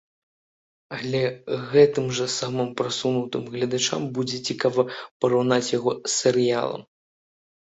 Але гэтым жа самым прасунутым гледачам будзе цікава параўнаць яго з серыялам!